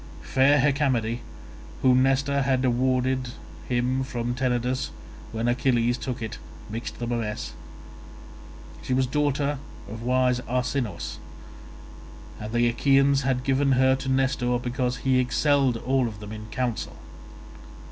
Fair Hecamede, whom Nestor had had awarded to him from Tenedos when Achilles took it, mixed them a mess; she was daughter of wise Arsinous, and the Achaeans had given her to Nestor because he excelled all of them in counsel.